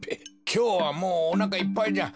きょうはもうおなかいっぱいじゃ。